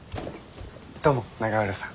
どうも永浦さん。